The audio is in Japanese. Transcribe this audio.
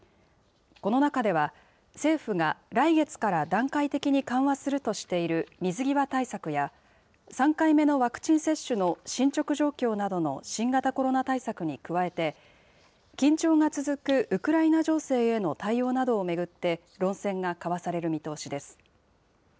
この中では政府が来月から段階的に緩和するとしている水際対策や、３回目のワクチン接種の進捗状況などの新型コロナ対策に加えて、緊張が続くウクライナ情勢への対応などを巡って、論戦が交わされる見通しです。